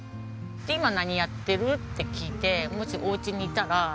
「今何やってる？」って聞いて「もしおうちにいたら手伝わない？」